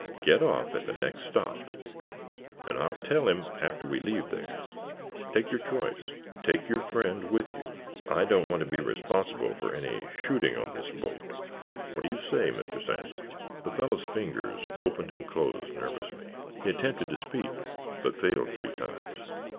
Get off at the next stop, and I will tell him after we leave there. Take your choice. Take your friend with you. I don't want to be responsible for any shooting on this boat. What do you say, Mr. Sandy?" The fellow's fingers opened and closed nervously. He attempted to speak but failed three times.